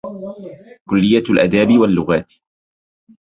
كلية الأداب واللغات